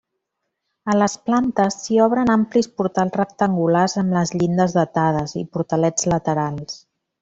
A les plantes s'hi obren amplis portals rectangulars amb les llindes datades i portalets laterals.